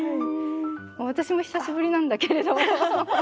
私も久しぶりなんだけれど。